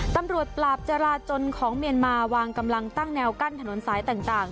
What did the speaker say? ตำรวจปราบจราจนของเมียนมาวางกำลังตั้งแนวกั้นถนนสายต่าง